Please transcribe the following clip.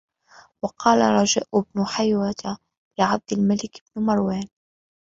وَقَالَ رَجَاءُ بْنُ حَيْوَةَ لِعَبْدِ الْمَلِكِ بْنِ مَرْوَانَ